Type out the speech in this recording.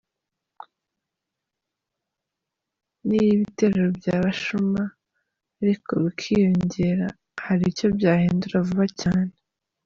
Niyo ibitero byaba shuma ariko bikiyongera hari icyo byahindura vuba cyane.